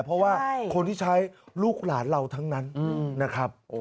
เพราะว่าคนที่ใช้ลูกหลานเราทั้งนั้นนะครับ